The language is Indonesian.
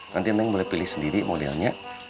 nanti neng mulai pilih sendiri modelnya